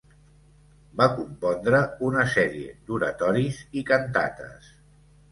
Va compondre una sèrie d'oratoris i cantates.